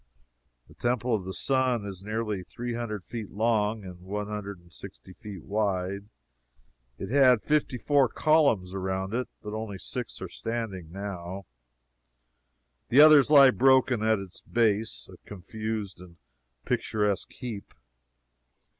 The Temple of the Sun is nearly three hundred feet long and one hundred and sixty feet wide. It had fifty four columns around it, but only six are standing now the others lie broken at its base, a confused and picturesque heap.